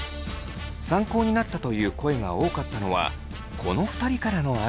「参考になった」という声が多かったのはこの２人からのアドバイス。